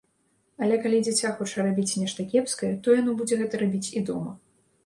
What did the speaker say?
Але, калі дзіця хоча рабіць нешта кепскае, то яно будзе гэта рабіць і дома.